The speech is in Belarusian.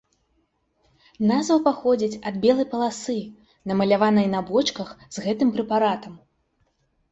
Назва паходзіць ад белай паласы, намаляванай на бочках з гэтым прэпаратам.